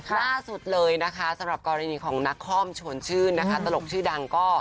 ล่าสุดเลยนะคะสำหรับกรณีของนักคอมชวนชื่นนะคะตลกชื่อดังก็